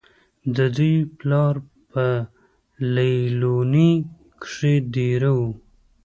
د دوي پلار پۀ ليلونۍ کښې دېره وو